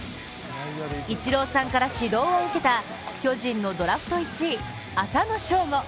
イチローさんから指導を受けた巨人のドラフト１位・浅野翔吾。